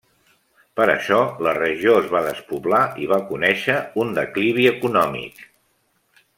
Per això la regió es va despoblar i va conèixer un declivi econòmic.